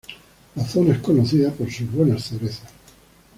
La zona es conocida por sus buenas cerezas.